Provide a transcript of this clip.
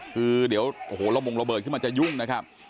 คือเดี๋ยวโอ้โหระมงระเบิดขึ้นมาจะยุ่งนะครับ